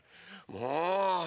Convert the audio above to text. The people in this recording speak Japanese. もう！